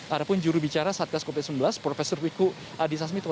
padahal jurubicara satgas covid sembilan belas prof wiku adhisasmito